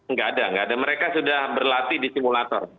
nggak ada nggak ada mereka sudah berlatih di simulator